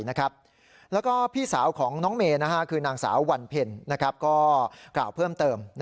แล้วก็พี่สาวของน้องเมย์คือนางสาววันเพ็ญก็กล่าวเพิ่มเติม